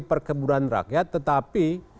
perkebunan rakyat tetapi